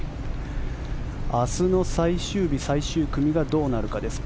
明日の最終日、最終組がどうなるかです。